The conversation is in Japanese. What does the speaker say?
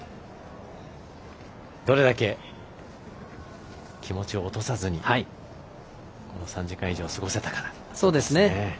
どれだけ、気持ちを落とさずに３時間以上を過ごせたかですね。